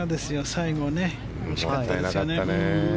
最後が惜しかったですね。